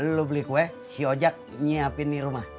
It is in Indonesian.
lo beli kue si ojak nyiapin di rumah